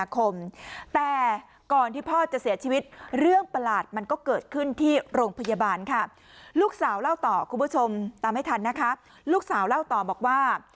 คุณผู้ชมตามให้ทันนะคะลูกสาวเล่าต่อบอกว่า